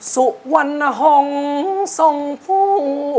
สุวรรณห่องส่งผู้